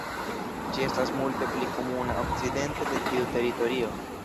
Ĝi estas multe pli komuna okcidente de tiu teritorio.